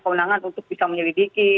keunangan untuk bisa menyelidiki